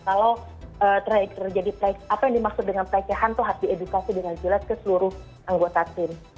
kalau terjadi apa yang dimaksud dengan pelecehan itu harus diedukasi dengan jelas ke seluruh anggota tim